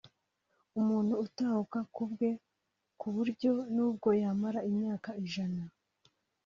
umuntu atahuka ku bwe ku buryo nubwo yamara imyaka ijana